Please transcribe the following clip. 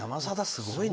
すごいね。